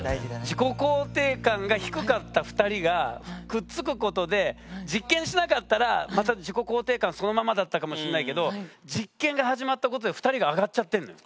自己肯定感が低かった２人がくっつくことで実験しなかったらまた自己肯定感そのままだったかもしんないけど実験が始まったことで２人が上がっちゃってんのよ。